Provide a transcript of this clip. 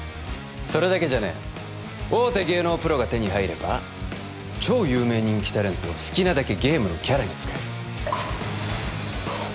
それだけじゃねえ大手芸能プロが手に入れば超有名人気タレントを好きなだけゲームのキャラに使えるおっ俺じゃん